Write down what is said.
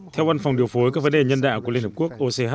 theo văn phòng điều phối các vấn đề nhân đạo của liên hợp quốc och